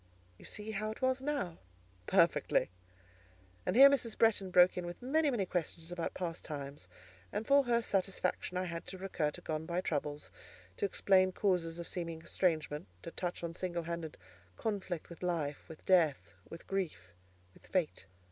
"You see how it was now?" "Perfectly." And here Mrs. Bretton broke in with many, many questions about past times; and for her satisfaction I had to recur to gone by troubles, to explain causes of seeming estrangement, to touch on single handed conflict with Life, with Death, with Grief, with Fate.